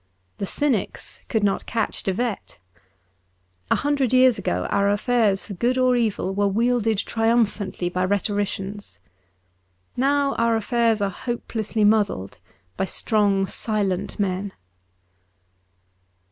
The cynics could not catch De Wet. A hundred years ago our affairs for good or evil were wielded triumphantly by rhetoricians. Now our affairs are hopelessly muddled by strong, silent men.